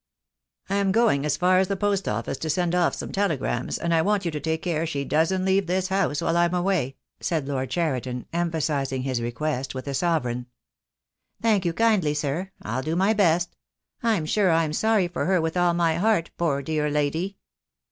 "I am going as far as the post office to send off some telegrams, and I want you to take care she doesn't leave this house while I'm away," said Lord Cheriton, em phasizing his request with a sovereign. "Thank you kindly, sir. I'll do my best. I'm sure I'm sorry for her with all my heart, poor dear lady."